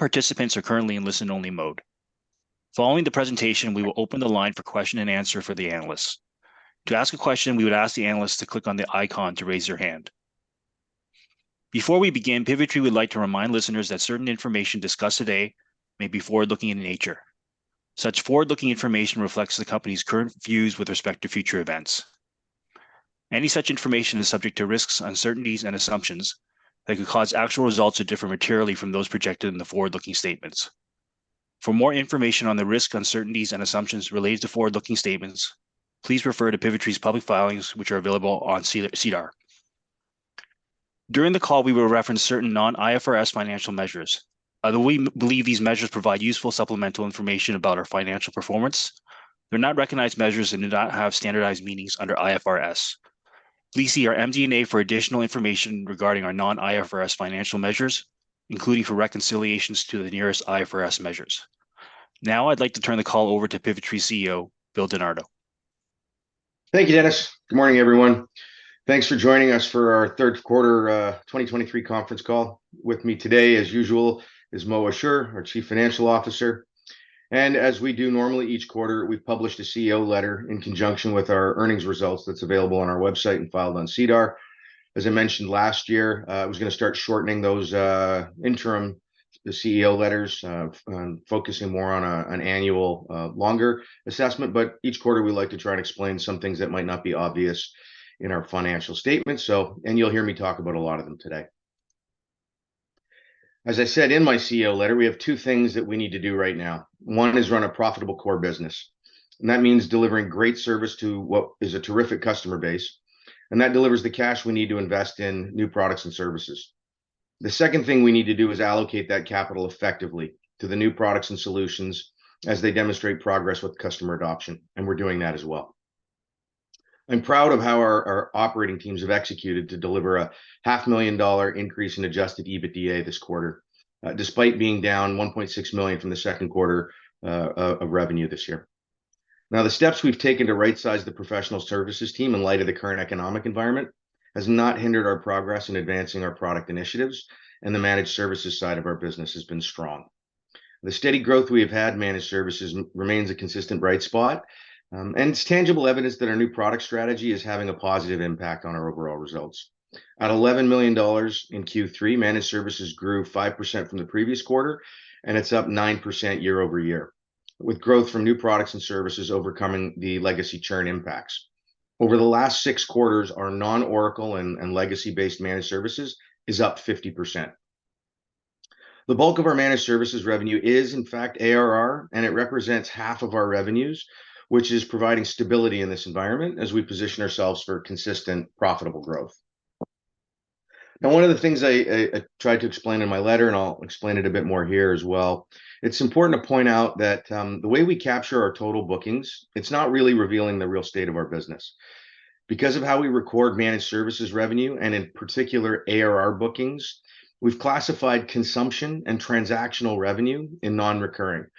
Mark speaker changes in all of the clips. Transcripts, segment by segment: Speaker 1: Participants are currently in listen-only mode. Following the presentation, we will open the line for question and answer for the analysts. To ask a question, we would ask the analyst to click on the icon to raise your hand. Before we begin, Pivotree would like to remind listeners that certain information discussed today may be forward-looking in nature. Such forward-looking information reflects the company's current views with respect to future events. Any such information is subject to risks, uncertainties, and assumptions that could cause actual results to differ materially from those projected in the forward-looking statements. For more information on the risks, uncertainties, and assumptions related to forward-looking statements, please refer to Pivotree's public filings, which are available on SEDAR. During the call, we will reference certain non-IFRS financial measures. Though we believe these measures provide useful supplemental information about our financial performance, they're not recognized measures and do not have standardized meanings under IFRS. Please see our MD&A for additional information regarding our non-IFRS financial measures, including for reconciliations to the nearest IFRS measures. Now, I'd like to turn the call over to Pivotree CEO, Bill DiNardo.
Speaker 2: Thank you, Dennis. Good morning, everyone. Thanks for joining us for our third quarter 2023 conference call. With me today, as usual, is Mo Ashoor, our Chief Financial Officer. As we do normally each quarter, we've published a CEO letter in conjunction with our earnings results that's available on our website and filed on SEDAR. As I mentioned last year, I was gonna start shortening those interim CEO letters, focusing more on an annual longer assessment. But each quarter, we like to try and explain some things that might not be obvious in our financial statement. So... And you'll hear me talk about a lot of them today. As I said in my CEO letter, we have two things that we need to do right now. One is run a profitable core business, and that means delivering great service to what is a terrific customer base, and that delivers the cash we need to invest in new products and services. The second thing we need to do is allocate that capital effectively to the new products and solutions as they demonstrate progress with customer adoption, and we're doing that as well. I'm proud of how our operating teams have executed to deliver a 500,000 dollar increase in adjusted EBITDA this quarter, despite being down 1.6 million from the second quarter of revenue this year. Now, the steps we've taken to right-size the professional services team in light of the current economic environment, has not hindered our progress in advancing our product initiatives, and the managed services side of our business has been strong. The steady growth we have had in managed services remains a consistent bright spot, and it's tangible evidence that our new product strategy is having a positive impact on our overall results. At 11 million dollars in Q3, managed services grew 5% from the previous quarter, and it's up 9% year-over-year, with growth from new products and services overcoming the legacy churn impacts. Over the last six quarters, our non-Oracle and Legacy-based Managed Services is up 50%. The bulk of our Managed Services revenue is, in fact, ARR, and it represents half of our revenues, which is providing stability in this environment as we position ourselves for consistent, profitable growth. Now, one of the things I tried to explain in my letter, and I'll explain it a bit more here as well, it's important to point out that, the way we capture our total bookings, it's not really revealing the real state of our business. Because of how we record Managed Services revenue, and in particular, ARR bookings, we've classified consumption and transactional revenue in non-recurring. But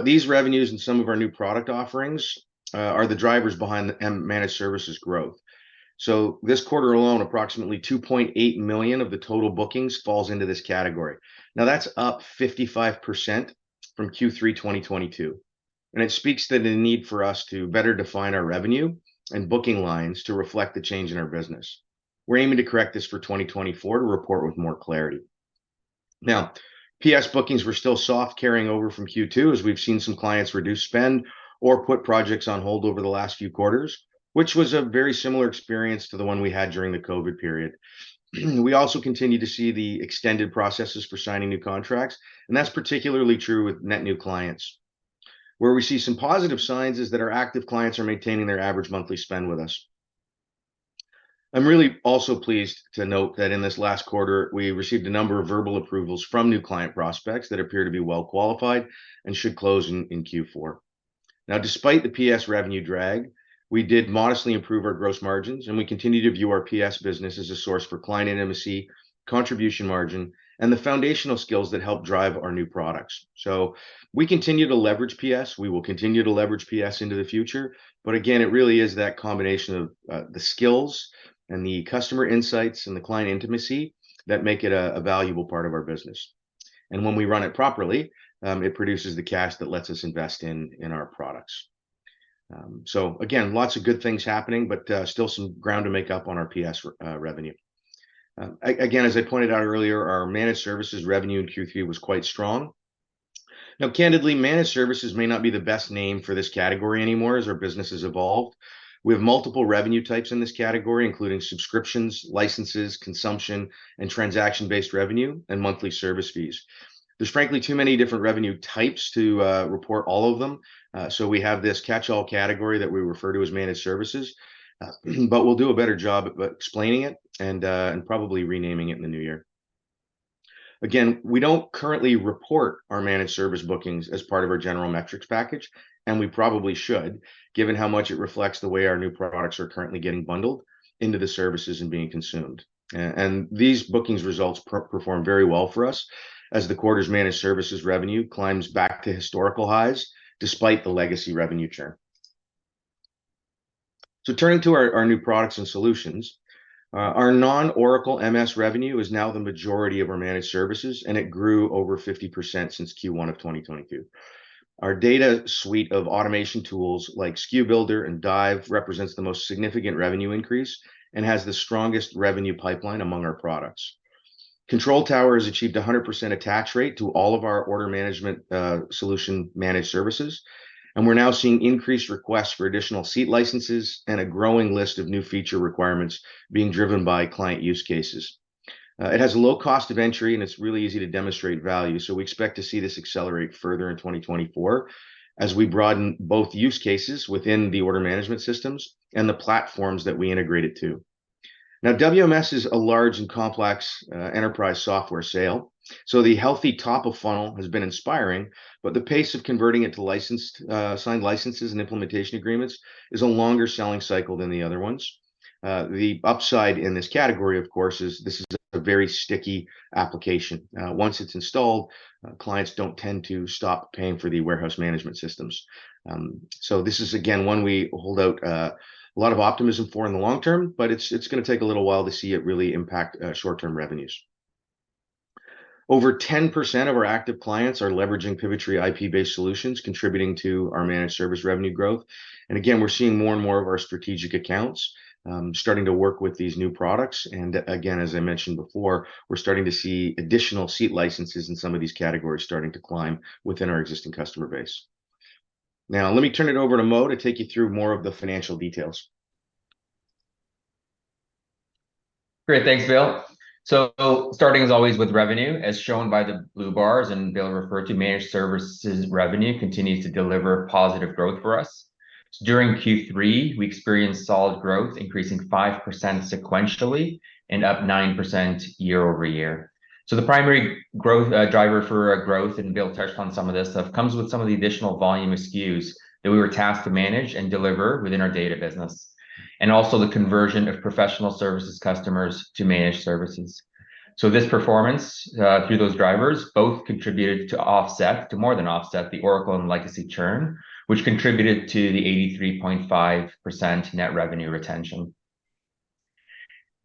Speaker 2: these revenues in some of our new product offerings, are the drivers behind the managed services growth. So this quarter alone, approximately 2.8 million of the total bookings falls into this category. Now, that's up 55% from Q3 2022, and it speaks to the need for us to better define our revenue and booking lines to reflect the change in our business. We're aiming to correct this for 2024 to report with more clarity. Now, PS bookings were still soft carrying over from Q2, as we've seen some clients reduce spend or put projects on hold over the last few quarters, which was a very similar experience to the one we had during the COVID period. We also continue to see the extended processes for signing new contracts, and that's particularly true with net new clients. Where we see some positive signs is that our active clients are maintaining their average monthly spend with us. I'm really also pleased to note that in this last quarter, we received a number of verbal approvals from new client prospects that appear to be well-qualified and should close in Q4. Now, despite the PS revenue drag, we did modestly improve our gross margins, and we continue to view our PS business as a source for client intimacy, contribution margin, and the foundational skills that help drive our new products. We continue to leverage PS. We will continue to leverage PS into the future, but again, it really is that combination of the skills and the customer insights and the client intimacy that make it a valuable part of our business. And when we run it properly, it produces the cash that lets us invest in our products. So again, lots of good things happening, but still some ground to make up on our PS revenue. Again, as I pointed out earlier, our managed services revenue in Q3 was quite strong. Now, candidly, Managed Services may not be the best name for this category anymore as our business has evolved. We have multiple revenue types in this category, including subscriptions, licenses, consumption, and transaction-based revenue, and monthly service fees. There's frankly, too many different revenue types to report all of them, so we have this catch-all category that we refer to as Managed Services, but we'll do a better job at explaining it and, and probably renaming it in the new year. Again, we don't currently report our managed service bookings as part of our general metrics package, and we probably should, given how much it reflects the way our new products are currently getting bundled into the services and being consumed. These bookings results perform very well for us as the quarter's managed services revenue climbs back to historical highs despite the legacy revenue churn. So turning to our new products and solutions, our non-Oracle MS revenue is now the majority of our managed services, and it grew over 50% since Q1 of 2022. Our data suite of automation tools, like SKU Builder and Dive, represents the most significant revenue increase and has the strongest revenue pipeline among our products. Control Tower has achieved a 100% attach rate to all of our order management solution managed services, and we're now seeing increased requests for additional seat licenses and a growing list of new feature requirements being driven by client use cases. It has a low cost of entry, and it's really easy to demonstrate value, so we expect to see this accelerate further in 2024 as we broaden both use cases within the order management systems and the platforms that we integrate it to. Now, WMS is a large and complex, enterprise software sale, so the healthy top of funnel has been inspiring, but the pace of converting it to licensed, signed licenses and implementation agreements is a longer selling cycle than the other ones. The upside in this category, of course, is this is a very sticky application. Once it's installed, clients don't tend to stop paying for the Warehouse Management Systems. So this is again, one we hold out a lot of optimism for in the long term, but it's gonna take a little while to see it really impact short-term revenues. Over 10% of our active clients are leveraging Pivotree IP-based solutions, contributing to our Managed Service revenue growth, and again, we're seeing more and more of our strategic accounts starting to work with these new products. And again, as I mentioned before, we're starting to see additional seat licenses in some of these categories starting to climb within our existing customer base. Now, let me turn it over to Mo to take you through more of the financial details.
Speaker 3: Great. Thanks, Bill. So starting as always with revenue, as shown by the blue bars, and Bill referred to, Managed Services revenue continues to deliver positive growth for us. During Q3, we experienced solid growth, increasing 5% sequentially and up 9% year-over-year. So the primary growth driver for growth, and Bill touched on some of this stuff, comes with some of the additional volume SKUs that we were tasked to manage and deliver within our data business, and also the conversion of professional services customers to Managed Services. So this performance through those drivers both contributed to offset, to more than offset the Oracle and legacy churn, which contributed to the 83.5% net revenue retention.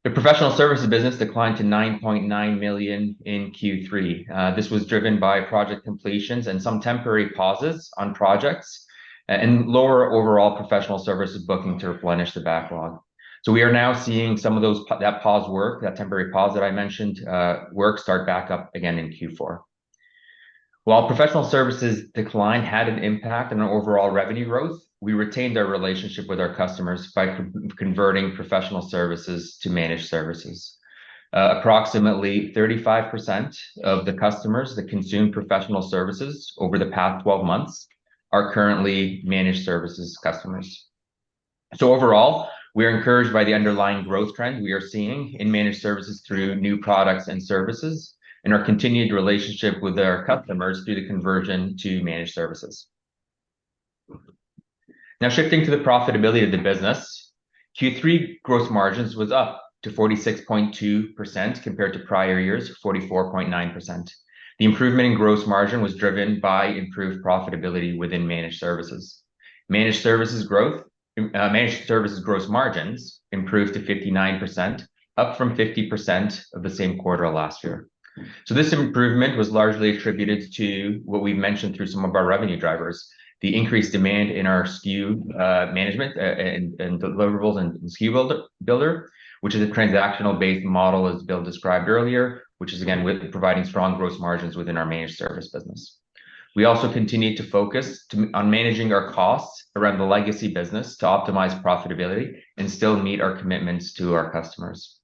Speaker 3: The professional services business declined to 9.9 million in Q3. This was driven by project completions and some temporary pauses on projects, and lower overall Professional Services booking to replenish the backlog. So we are now seeing some of those that pause work, that temporary pause that I mentioned, work start back up again in Q4. While Professional Services decline had an impact on our overall revenue growth, we retained our relationship with our customers by converting Professional Services to Managed Services. Approximately 35% of the customers that consumed Professional Services over the past 12 months are currently Managed Services customers. So overall, we are encouraged by the underlying growth trend we are seeing in Managed Services through new products and services, and our continued relationship with our customers through the conversion to Managed Services. Now, shifting to the profitability of the business, Q3 gross margins was up to 46.2%, compared to prior year's 44.9%. The improvement in gross margin was driven by improved profitability within managed services. Managed services growth, managed services gross margins improved to 59%, up from 50% of the same quarter last year. So this improvement was largely attributed to what we mentioned through some of our revenue drivers, the increased demand in our SKU management and deliverables and SKU Build, which is a transactional-based model, as Bill described earlier, which is again with providing strong gross margins within our managed service business. We also continued to focus on managing our costs around the legacy business to optimize profitability and still meet our commitments to our customers.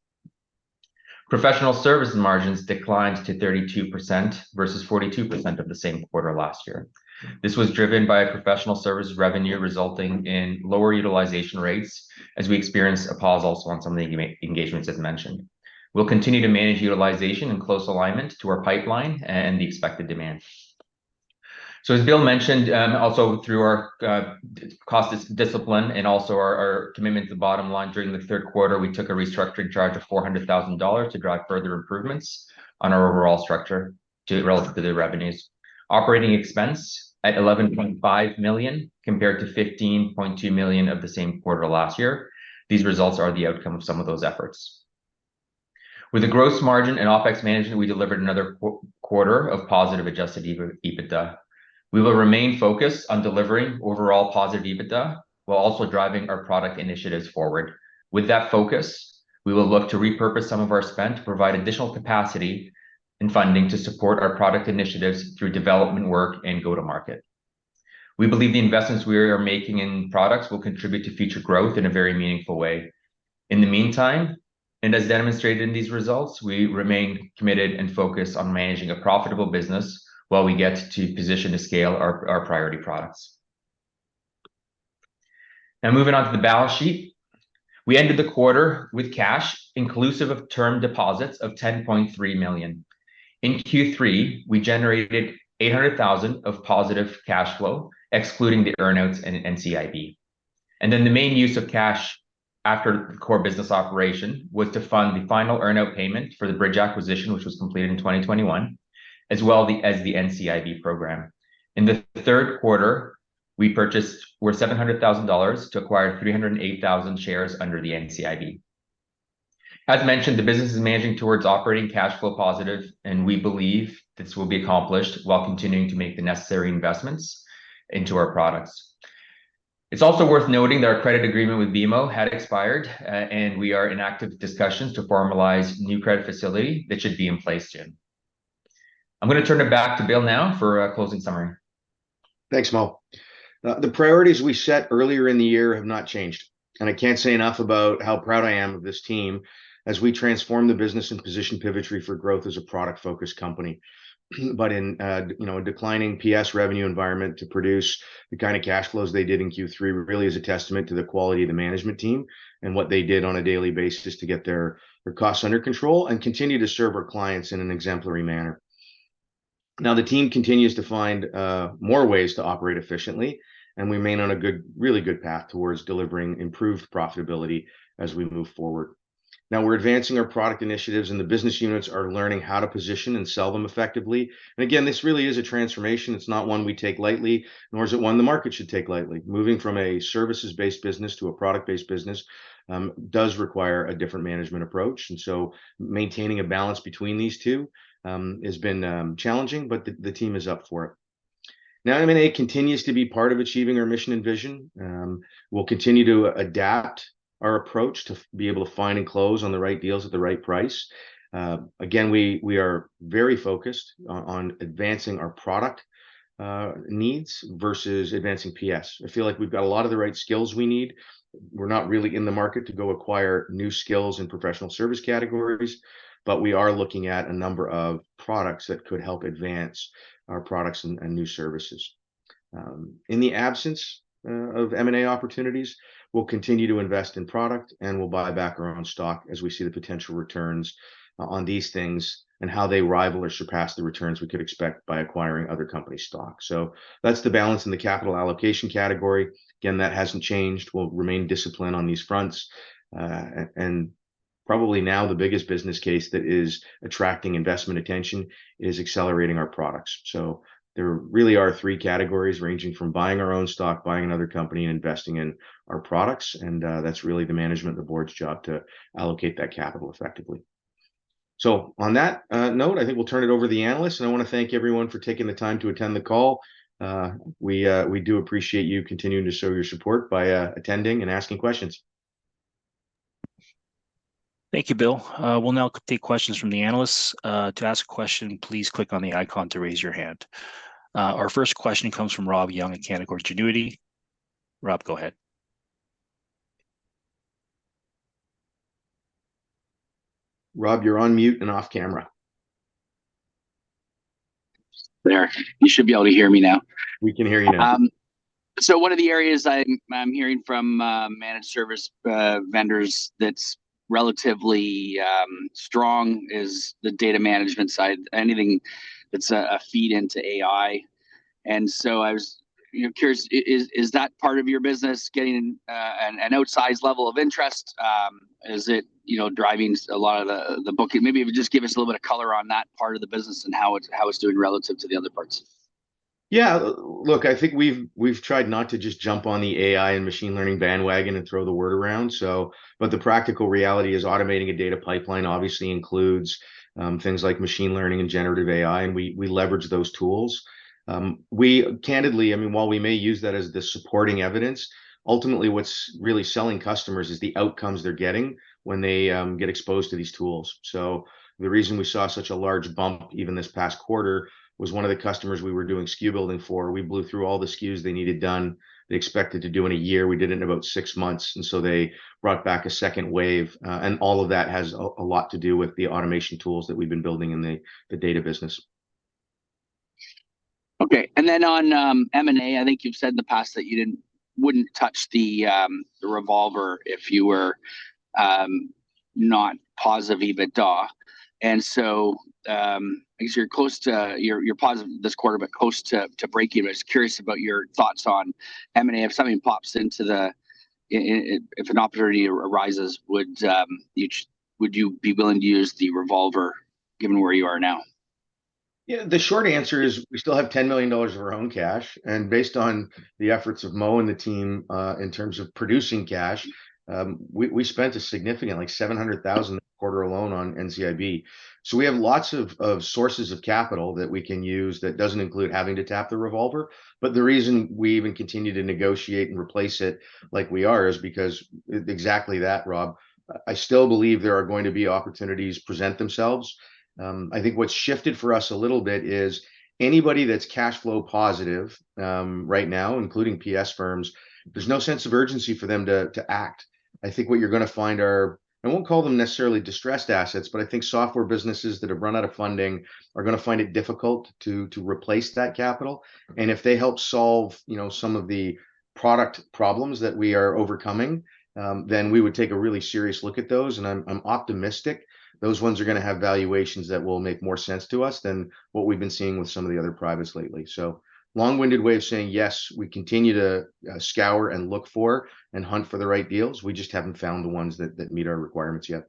Speaker 3: Professional service margins declined to 32% versus 42% of the same quarter last year. This was driven by a professional services revenue, resulting in lower utilization rates as we experienced a pause also on some of the engagements, as mentioned. We'll continue to manage utilization in close alignment to our pipeline and the expected demand. So as Bill mentioned, also through our cost discipline and also our commitment to bottom line, during the third quarter, we took a restructuring charge of 400,000 dollars to drive further improvements on our overall structure relative to the revenues. Operating expense at 11.5 million, compared to 15.2 million of the same quarter last year. These results are the outcome of some of those efforts. With a gross margin and OpEx management, we delivered another quarter of positive adjusted EBITDA. We will remain focused on delivering overall positive EBITDA, while also driving our product initiatives forward. With that focus, we will look to repurpose some of our spend to provide additional capacity and funding to support our product initiatives through development work and go-to-market. We believe the investments we are making in products will contribute to future growth in a very meaningful way. In the meantime, and as demonstrated in these results, we remain committed and focused on managing a profitable business while we get to position to scale our priority products. Now, moving on to the balance sheet. We ended the quarter with cash, inclusive of term deposits, of 10.3 million. In Q3, we generated 800,000 of positive cash flow, excluding the earnouts and NCIB. Then the main use of cash after core business operation was to fund the final earnout payment for the Bridge acquisition, which was completed in 2021, as well as the NCIB program. In the third quarter, we purchased worth 700,000 dollars to acquire 308,000 shares under the NCIB. As mentioned, the business is managing towards operating cash flow positive, and we believe this will be accomplished while continuing to make the necessary investments into our products. It's also worth noting that our credit agreement with BMO had expired, and we are in active discussions to formalize new credit facility that should be in place soon. I'm gonna turn it back to Bill now for a closing summary.
Speaker 2: Thanks, Mo. The priorities we set earlier in the year have not changed, and I can't say enough about how proud I am of this team as we transform the business and position Pivotree for growth as a product-focused company. But in, you know, a declining PS revenue environment to produce the kind of cash flows they did in Q3 really is a testament to the quality of the management team and what they did on a daily basis to get their, their costs under control and continue to serve our clients in an exemplary manner. Now, the team continues to find more ways to operate efficiently, and we remain on a good, really good path towards delivering improved profitability as we move forward. Now, we're advancing our product initiatives, and the business units are learning how to position and sell them effectively. Again, this really is a transformation. It's not one we take lightly, nor is it one the market should take lightly. Moving from a services-based business to a product-based business does require a different management approach, and so maintaining a balance between these two has been challenging, but the team is up for it. Now, M&A continues to be part of achieving our mission and vision. We'll continue to adapt our approach to be able to find and close on the right deals at the right price. Again, we are very focused on advancing our product needs versus advancing PS. I feel like we've got a lot of the right skills we need. We're not really in the market to go acquire new skills in Professional Service categories, but we are looking at a number of products that could help advance our products and new services. In the absence of M&A opportunities, we'll continue to invest in product, and we'll buy back our own stock as we see the potential returns on these things and how they rival or surpass the returns we could expect by acquiring other company's stock. So that's the balance in the capital allocation category. Again, that hasn't changed. We'll remain disciplined on these fronts. And probably now the biggest business case that is attracting investment attention is accelerating our products. So there really are three categories, ranging from buying our own stock, buying another company, and investing in our products, and that's really the management, the board's job to allocate that capital effectively. So on that note, I think we'll turn it over to the analyst, and I wanna thank everyone for taking the time to attend the call. We, we do appreciate you continuing to show your support by attending and asking questions.
Speaker 1: Thank you, Bill. We'll now take questions from the analysts. To ask a question, please click on the icon to raise your hand. Our first question comes from Rob Goff at Canaccord Genuity. Rob, go ahead.
Speaker 2: Rob, you're on mute and off camera.
Speaker 4: There, you should be able to hear me now.
Speaker 2: We can hear you now.
Speaker 4: So one of the areas I'm hearing from Managed Services vendors that's relatively strong is the data management side, anything that's a feed into AI. And so I was, you know, curious, is that part of your business getting an outsized level of interest? Is it, you know, driving a lot of the booking? Maybe if you just give us a little bit of color on that part of the business and how it's doing relative to the other parts.
Speaker 2: Yeah. Look, I think we've tried not to just jump on the AI and machine learning bandwagon and throw the word around, so... But the practical reality is automating a data pipeline obviously includes things like machine learning and generative AI, and we leverage those tools. Candidly, I mean, while we may use that as the supporting evidence, ultimately, what's really selling customers is the outcomes they're getting when they get exposed to these tools. So the reason we saw such a large bump, even this past quarter, was one of the customers we were doing SKU building for, we blew through all the SKUs they needed done. They expected to do in a year, we did it in about six months, and so they brought back a second wave. All of that has a lot to do with the automation tools that we've been building in the data business.
Speaker 4: Okay. And then on M&A, I think you've said in the past that you wouldn't touch the revolver if you were not positive EBITDA. And so, I guess you're close to... You're positive this quarter, but close to breaking. I was curious about your thoughts on M&A. If something pops into the, if an opportunity arises, would you be willing to use the revolver given where you are now?
Speaker 2: Yeah, the short answer is, we still have 10 million dollars of our own cash, and based on the efforts of Mo and the team, in terms of producing cash, we spent a significant, like, 700,000 this quarter alone on NCIB. So we have lots of sources of capital that we can use that doesn't include having to tap the revolver, but the reason we even continue to negotiate and replace it like we are, is because exactly that, Rob. I still believe there are going to be opportunities present themselves. I think what's shifted for us a little bit is anybody that's cash flow positive, right now, including PS firms, there's no sense of urgency for them to act. I think what you're gonna find are, I won't call them necessarily distressed assets, but I think software businesses that have run out of funding are gonna find it difficult to replace that capital. And if they help solve, you know, some of the product problems that we are overcoming, then we would take a really serious look at those. And I'm optimistic those ones are gonna have valuations that will make more sense to us than what we've been seeing with some of the other privates lately. So long-winded way of saying, yes, we continue to scour and look for, and hunt for the right deals. We just haven't found the ones that meet our requirements yet....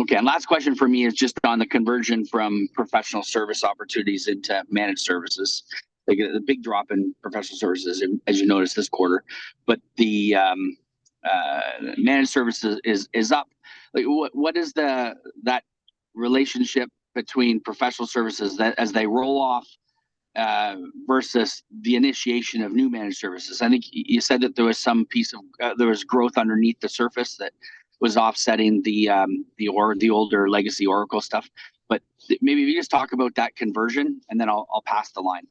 Speaker 4: Okay, and last question for me is just on the conversion from professional service opportunities into managed services. Like, the big drop in Professional Services, and as you noticed this quarter, but the managed services is up. Like, what is that relationship between Professional Services that as they roll off versus the initiation of new Managed Services? I think you said that there was some piece of there was growth underneath the surface that was offsetting the, or, the older legacy Oracle stuff. But maybe just talk about that conversion, and then I'll pass the line.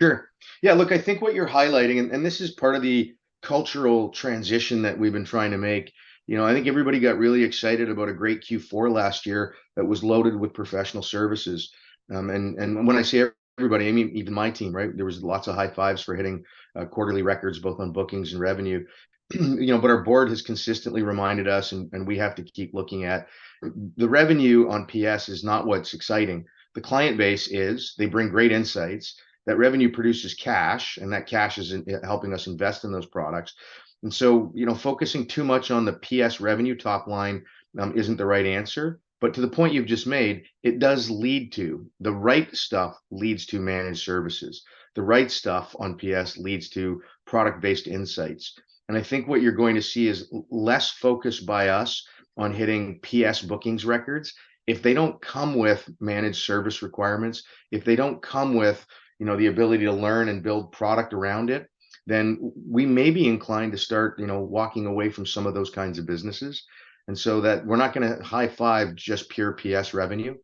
Speaker 2: Sure. Yeah, look, I think what you're highlighting, and this is part of the cultural transition that we've been trying to make. You know, I think everybody got really excited about a great Q4 last year that was loaded with professional services. And when I say everybody, I mean even my team, right? There was lots of high fives for hitting quarterly records, both on bookings and revenue. You know, but our board has consistently reminded us, and we have to keep looking at... The revenue on PS is not what's exciting. The client base is. They bring great insights, that revenue produces cash, and that cash is in helping us invest in those products. And so, you know, focusing too much on the PS revenue top line isn't the right answer. But to the point you've just made, it does lead to the right stuff, leads to managed services. The right stuff on PS leads to product-based insights. And I think what you're going to see is less focus by us on hitting PS bookings records. If they don't come with managed service requirements, if they don't come with, you know, the ability to learn and build product around it, then we may be inclined to start, you know, walking away from some of those kinds of businesses. And so that we're not gonna high five just pure PS revenue,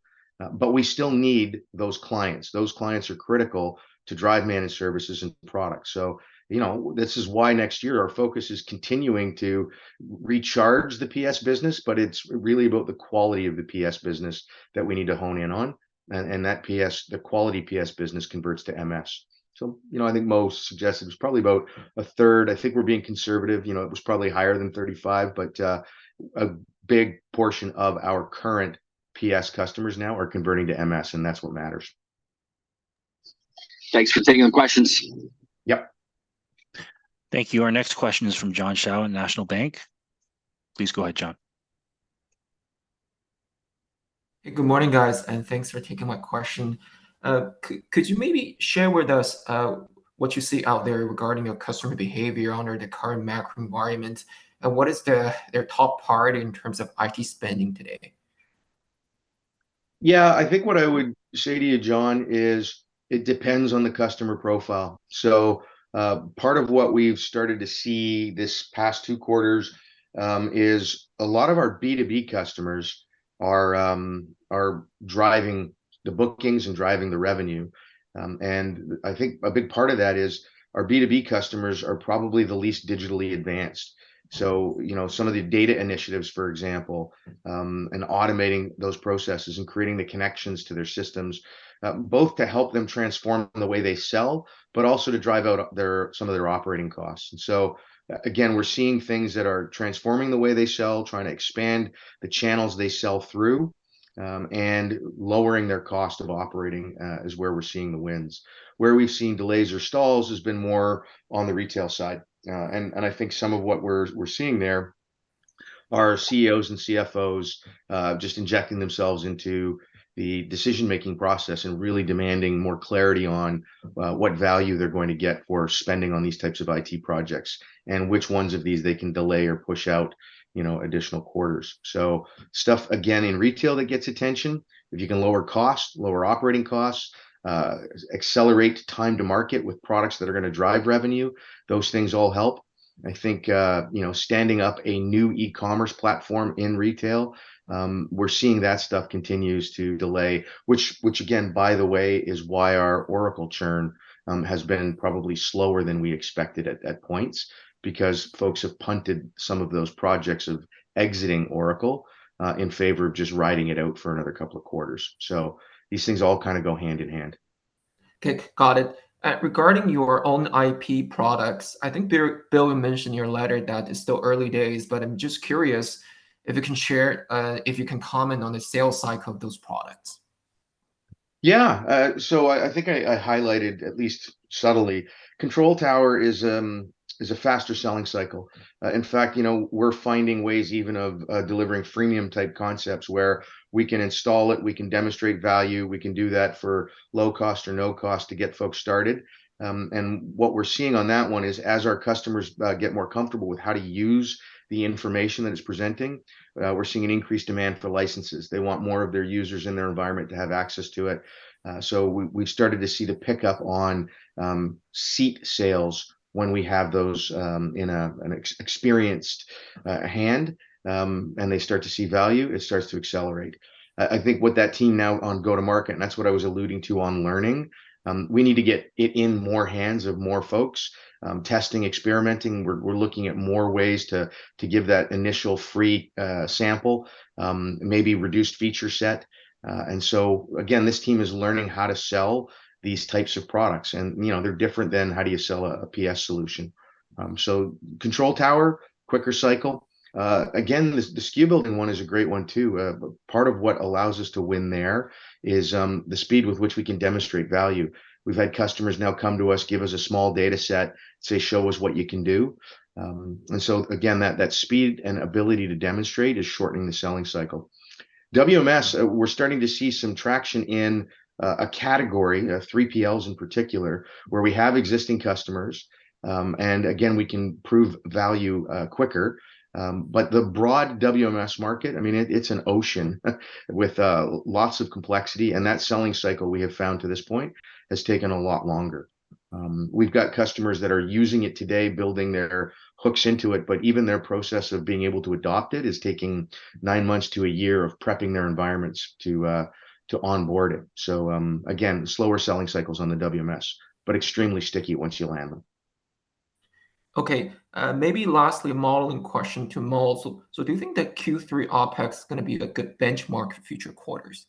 Speaker 2: but we still need those clients. Those clients are critical to drive managed services and products. So, you know, this is why next year our focus is continuing to recharge the PS business, but it's really about the quality of the PS business that we need to hone in on. And that PS, the quality PS business, converts to MS. So, you know, I think Mo suggested it was probably about a third. I think we're being conservative, you know, it was probably higher than 35, but a big portion of our current PS customers now are converting to MS, and that's what matters.
Speaker 4: Thanks for taking the questions.
Speaker 2: Yep.
Speaker 1: Thank you. Our next question is from John Shao in National Bank. Please go ahead, John.
Speaker 5: Good morning, guys, and thanks for taking my question. Could you maybe share with us what you see out there regarding your customer behavior under the current macro environment, and what is their top part in terms of IT spending today?
Speaker 2: Yeah, I think what I would say to you, John, is it depends on the customer profile. So, part of what we've started to see this past two quarters, is a lot of our B2B customers are driving the bookings and driving the revenue. And I think a big part of that is our B2B customers are probably the least digitally advanced. So, you know, some of the data initiatives, for example, and automating those processes and creating the connections to their systems, both to help them transform the way they sell, but also to drive out their, some of their operating costs. So again, we're seeing things that are transforming the way they sell, trying to expand the channels they sell through, and lowering their cost of operating, is where we're seeing the wins. Where we've seen delays or stalls has been more on the retail side. And I think some of what we're seeing there are CEOs and CFOs just injecting themselves into the decision-making process and really demanding more clarity on what value they're going to get for spending on these types of IT projects, and which ones of these they can delay or push out, you know, additional quarters. So stuff, again, in retail, that gets attention. If you can lower costs, lower operating costs, accelerate time to market with products that are gonna drive revenue, those things all help. I think, you know, standing up a new e-commerce platform in retail, we're seeing that stuff continues to delay. Which again, by the way, is why our Oracle churn has been probably slower than we expected at points, because folks have punted some of those projects of exiting Oracle in favor of just riding it out for another couple of quarters. So these things all kind of go hand in hand.
Speaker 5: Okay. Got it. Regarding your own IP products, I think Bill, Bill mentioned in your letter that it's still early days, but I'm just curious if you can share, if you can comment on the sales cycle of those products.
Speaker 2: Yeah. So I think I highlighted at least subtly. Control Tower is a faster selling cycle. In fact, you know, we're finding ways even of delivering freemium-type concepts where we can install it, we can demonstrate value, we can do that for low cost or no cost to get folks started. And what we're seeing on that one is as our customers get more comfortable with how to use the information that it's presenting, we're seeing an increased demand for licenses. They want more of their users in their environment to have access to it. So we've started to see the pickup on seat sales when we have those in an experienced hand, and they start to see value, it starts to accelerate. I think with that team now on go-to-market, and that's what I was alluding to on learning, we need to get it in more hands of more folks. Testing, experimenting, we're looking at more ways to give that initial free sample, maybe reduced feature set. And so again, this team is learning how to sell these types of products. And, you know, they're different than how do you sell a PS solution? So Control Tower, quicker cycle. Again, the SKU building one is a great one, too. But part of what allows us to win there is the speed with which we can demonstrate value. We've had customers now come to us, give us a small dataset, say, "Show us what you can do." And so again, that speed and ability to demonstrate is shortening the selling cycle. WMS, we're starting to see some traction in a category, 3PLs in particular, where we have existing customers. And again, we can prove value quicker. But the broad WMS market, I mean, it's an ocean with lots of complexity, and that selling cycle, we have found to this point, has taken a lot longer. We've got customers that are using it today, building their hooks into it, but even their process of being able to adopt it is taking nine months to a year of prepping their environments to onboard it. Again, slower selling cycles on the WMS, but extremely sticky once you land them.
Speaker 5: Okay. Maybe lastly, a modeling question to Mo. So, so do you think that Q3 OpEx is gonna be a good benchmark for future quarters?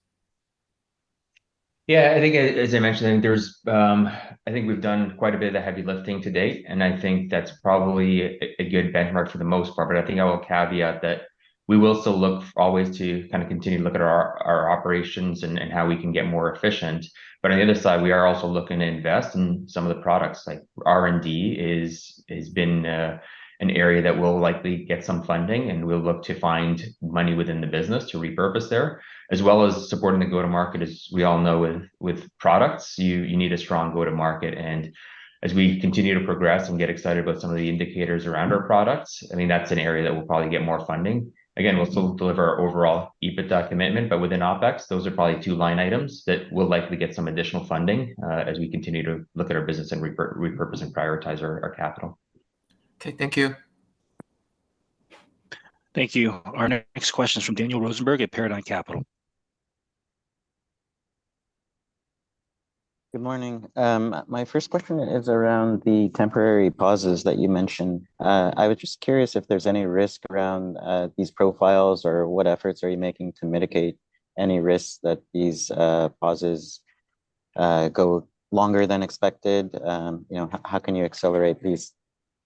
Speaker 3: Yeah. I think as, as I mentioned, I think there's, I think we've done quite a bit of the heavy lifting to date, and I think that's probably a, a good benchmark for the most part. But I think I will caveat that we will still look always to kind of continue to look at our, our operations and, and how we can get more efficient. But on the other side, we are also looking to invest in some of the products, like R&D is, is been an area that will likely get some funding, and we'll look to find money within the business to repurpose there, as well as supporting the go-to market. As we all know with, with products, you, you need a strong go-to market. As we continue to progress and get excited about some of the indicators around our products, I mean, that's an area that will probably get more funding. Again, we'll still deliver our overall EBITDA commitment, but within OpEx, those are probably two line items that will likely get some additional funding as we continue to look at our business and repurpose and prioritize our capital.
Speaker 5: Okay, thank you.
Speaker 1: Thank you. Our next question is from Daniel Rosenberg at Paradigm Capital.
Speaker 6: Good morning. My first question is around the temporary pauses that you mentioned. I was just curious if there's any risk around these profiles, or what efforts are you making to mitigate any risks that these pauses go longer than expected? You know, how can you accelerate these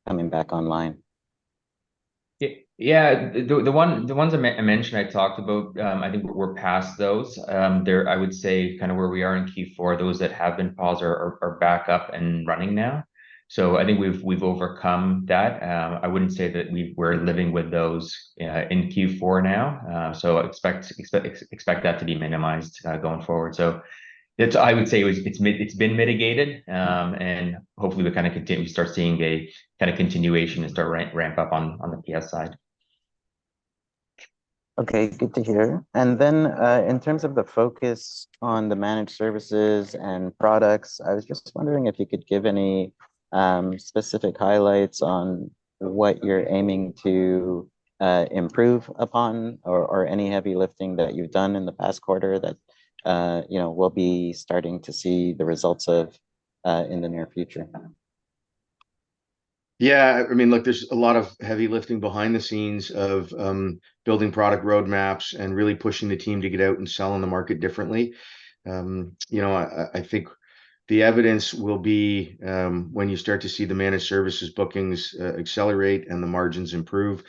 Speaker 6: coming back online?
Speaker 3: Yeah, the ones I mentioned, I talked about, I think we're past those. They're, I would say, kinda where we are in Q4, those that have been paused are back up and running now. So I think we've overcome that. I wouldn't say that we're living with those in Q4 now. So expect that to be minimized going forward. So it's been mitigated. And hopefully we kinda continue to start seeing a kinda continuation and start ramp up on the PS side.
Speaker 6: Okay, good to hear. And then, in terms of the focus on the Managed Services and products, I was just wondering if you could give any specific highlights on what you're aiming to improve upon, or any heavy lifting that you've done in the past quarter that, you know, we'll be starting to see the results of in the near future?
Speaker 2: Yeah, I mean, look, there's a lot of heavy lifting behind the scenes of building product roadmaps and really pushing the team to get out and sell on the market differently. You know, I think the evidence will be when you start to see the Managed Services bookings accelerate and the margins improve.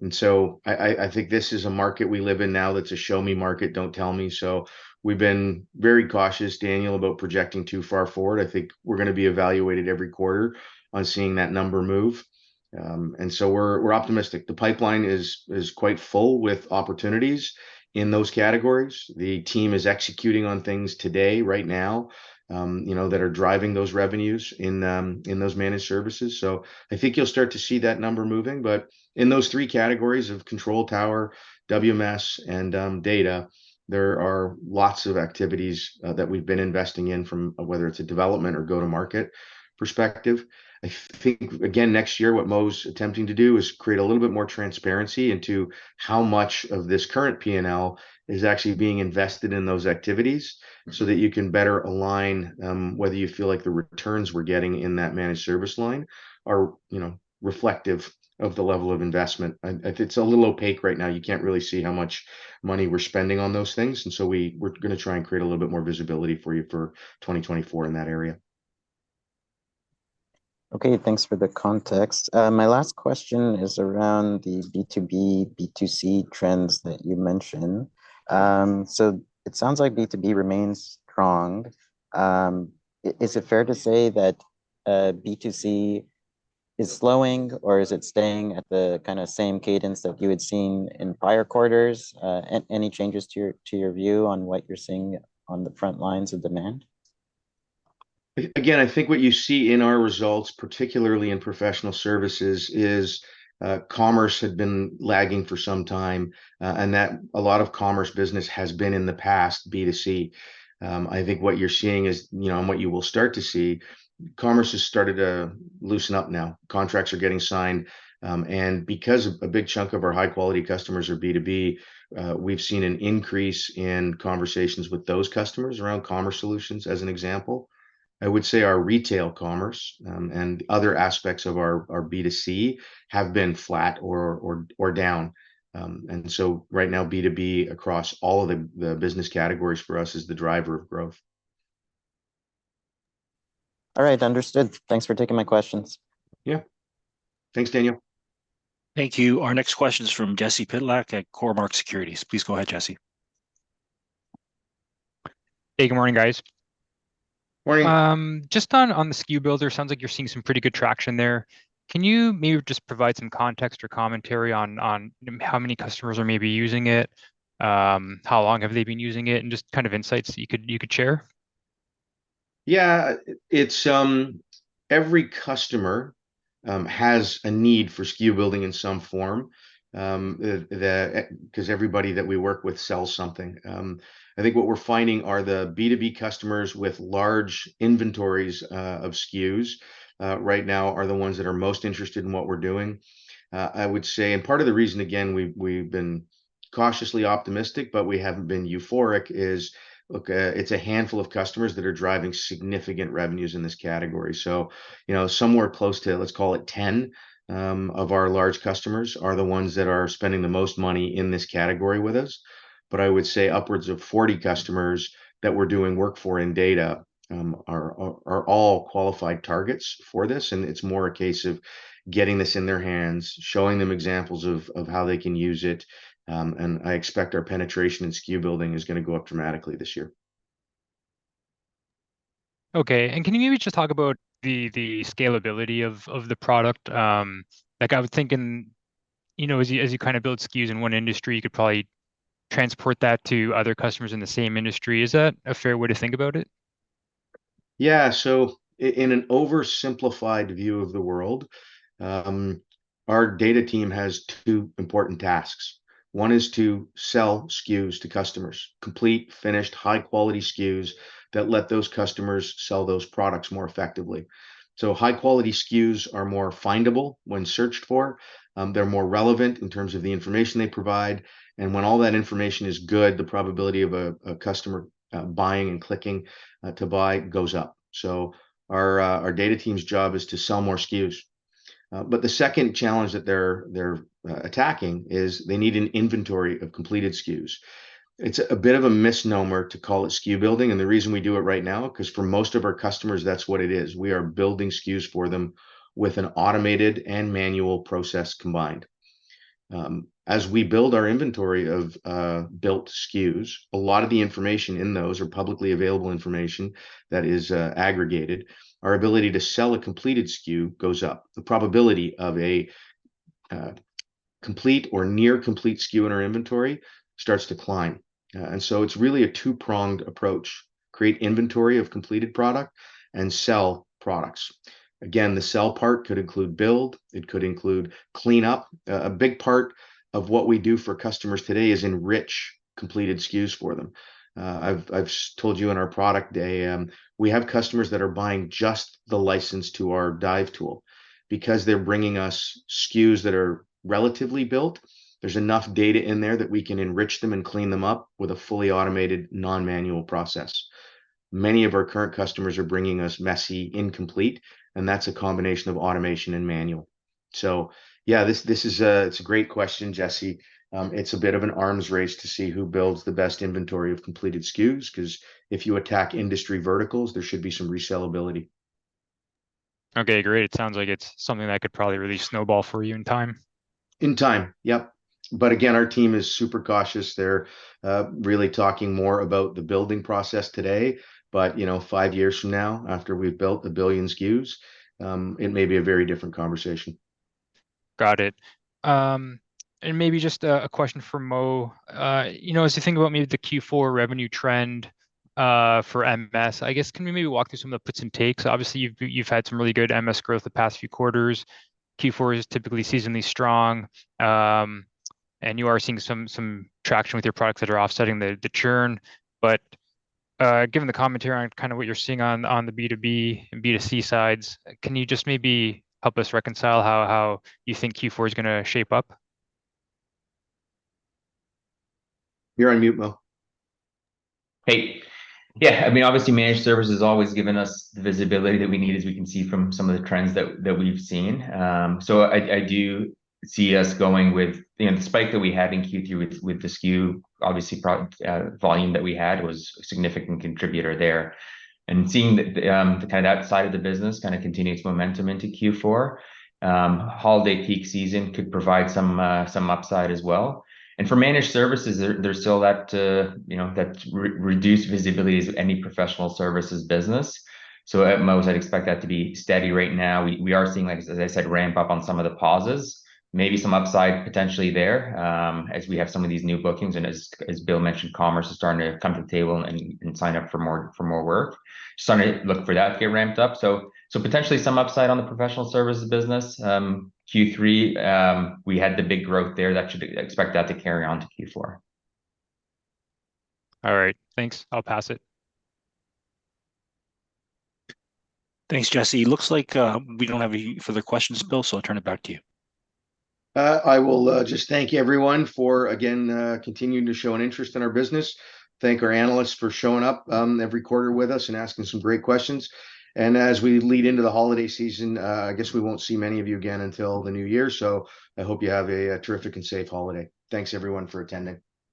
Speaker 2: And so I think this is a market we live in now that's a show-me market, don't tell me. So we've been very cautious, Daniel, about projecting too far forward. I think we're gonna be evaluated every quarter on seeing that number move. And so we're optimistic. The pipeline is quite full with opportunities in those categories. The team is executing on things today, right now, you know, that are driving those revenues in those managed services. So I think you'll start to see that number moving. But in those three categories of Control Tower, WMS, and data, there are lots of activities that we've been investing in from whether it's a development or go-to-market perspective. I think again, next year, what Mo's attempting to do is create a little bit more transparency into how much of this current P&L is actually being invested in those activities, so that you can better align whether you feel like the returns we're getting in that managed service line are, you know, reflective of the level of investment. And if it's a little opaque right now, you can't really see how much money we're spending on those things, and so we're gonna try and create a little bit more visibility for you for 2024 in that area.
Speaker 6: Okay, thanks for the context. My last question is around the B2B, B2C trends that you mentioned. So it sounds like B2B remains strong. Is it fair to say that B2C is slowing, or is it staying at the kinda same cadence that you had seen in prior quarters? Any changes to your view on what you're seeing on the front lines of demand?
Speaker 2: Again, I think what you see in our results, particularly in Professional Services, is, commerce had been lagging for some time, and that a lot of commerce business has been in the past, B2C. I think what you're seeing is, you know, and what you will start to see, commerce has started to loosen up now. Contracts are getting signed, and because of a big chunk of our high-quality customers are B2B, we've seen an increase in conversations with those customers around commerce solutions, as an example. I would say our retail commerce, and other aspects of our B2C, have been flat or down. And so right now, B2B across all of the business categories for us is the driver of growth....
Speaker 6: All right, understood. Thanks for taking my questions.
Speaker 2: Yeah. Thanks, Daniel.
Speaker 1: Thank you. Our next question is from Jesse Pytlak at Cormark Securities. Please go ahead, Jesse.
Speaker 7: Hey, good morning, guys.
Speaker 2: Morning.
Speaker 7: Just on, on the SKU Builder, sounds like you're seeing some pretty good traction there. Can you maybe just provide some context or commentary on, on how many customers are maybe using it, how long have they been using it, and just kind of insights you could, you could share?
Speaker 2: Yeah. It's every customer has a need for SKU building in some form, 'cause everybody that we work with sells something. I think what we're finding are the B2B customers with large inventories of SKUs right now are the ones that are most interested in what we're doing. I would say, and part of the reason, again, we've been cautiously optimistic, but we haven't been euphoric, is, look, it's a handful of customers that are driving significant revenues in this category. So, you know, somewhere close to, let's call it, 10 of our large customers are the ones that are spending the most money in this category with us. But I would say upwards of 40 customers that we're doing work for in data are all qualified targets for this, and it's more a case of getting this in their hands, showing them examples of how they can use it. And I expect our penetration in SKU building is gonna go up dramatically this year.
Speaker 7: Okay. And can you maybe just talk about the scalability of the product? Like, I was thinking, you know, as you kind of build SKUs in one industry, you could probably transport that to other customers in the same industry. Is that a fair way to think about it?
Speaker 2: Yeah. So in an oversimplified view of the world, our data team has two important tasks. One is to sell SKUs to customers, complete, finished, high-quality SKUs that let those customers sell those products more effectively. So high-quality SKUs are more findable when searched for, they're more relevant in terms of the information they provide, and when all that information is good, the probability of a customer buying and clicking to buy goes up. So our data team's job is to sell more SKUs. But the second challenge that they're attacking is they need an inventory of completed SKUs. It's a bit of a misnomer to call it SKU building, and the reason we do it right now, 'cause for most of our customers, that's what it is. We are building SKUs for them with an automated and manual process combined. As we build our inventory of built SKUs, a lot of the information in those are publicly available information that is aggregated. Our ability to sell a completed SKU goes up. The probability of a complete or near complete SKU in our inventory starts to climb. And so it's really a two-pronged approach: create inventory of completed product, and sell products. Again, the sell part could include build, it could include clean up. A big part of what we do for customers today is enrich completed SKUs for them. I've told you in our product day, we have customers that are buying just the license to our Dive tool. Because they're bringing us SKUs that are relatively built, there's enough data in there that we can enrich them and clean them up with a fully automated non-manual process. Many of our current customers are bringing us messy, incomplete, and that's a combination of automation and manual. So yeah, It's a great question, Jesse. It's a bit of an arms race to see who builds the best inventory of completed SKUs, 'cause if you attack industry verticals, there should be some resellability.
Speaker 7: Okay, great. It sounds like it's something that could probably really snowball for you in time.
Speaker 2: In time, yep. But again, our team is super cautious. They're really talking more about the building process today, but, you know, five years from now, after we've built a billion SKUs, it may be a very different conversation.
Speaker 7: Got it. And maybe just a question for Mo. You know, as you think about maybe the Q4 revenue trend for MS, I guess, can you maybe walk us through some of the puts and takes? Obviously, you've had some really good MS growth the past few quarters. Q4 is typically seasonally strong, and you are seeing some traction with your products that are offsetting the churn. But given the commentary on kind of what you're seeing on the B2B and B2C sides, can you just maybe help us reconcile how you think Q4 is gonna shape up?
Speaker 2: You're on mute, Mo.
Speaker 3: Hey. Yeah, I mean, obviously, Managed Service has always given us the visibility that we need, as we can see from some of the trends that we've seen. So I do see us going with, you know, the spike that we had in Q3 with the SKU, obviously, product volume that we had was a significant contributor there. And seeing that the kind of outside of the business kind of continue its momentum into Q4, holiday peak season could provide some upside as well. And for Managed Services there, there's still that, you know, that reduced visibility as any professional services business. So at most, I'd expect that to be steady right now. We are seeing, like as I said, ramp up on some of the pauses, maybe some upside potentially there, as we have some of these new bookings, and as Bill mentioned, commerce is starting to come to the table and sign up for more work. Starting to look for that to get ramped up. So potentially some upside on the Professional Services business. Q3, we had the big growth there. That should expect that to carry on to Q4.
Speaker 7: All right, thanks. I'll pass it.
Speaker 1: Thanks, Jesse. Looks like, we don't have any further questions, Bill, so I'll turn it back to you.
Speaker 2: I will just thank you everyone for, again, continuing to show an interest in our business. Thank our analysts for showing up every quarter with us and asking some great questions. And as we lead into the holiday season, I guess we won't see many of you again until the new year, so I hope you have a terrific and safe holiday. Thanks everyone, for attending.